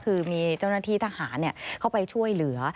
คือมีเจ้าหน้าที่ทหารเข้าไปช่วยเหลือ